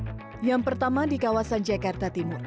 jalan yang pertama di jakarta timur